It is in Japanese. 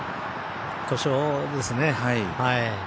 故障ですね。